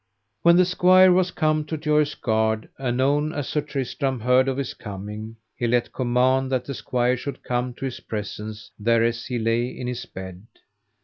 When the squire was come to Joyous Gard, anon as Sir Tristram heard of his coming he let command that the squire should come to his presence thereas he lay in his bed.